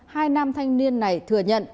hai nam thanh niên này thừa nhận